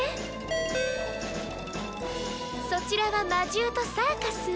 そちらは魔獣とサーカス？